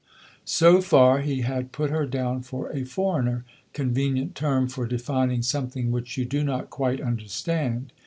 So far he had put her down for "a foreigner," convenient term for defining something which you do not quite understand.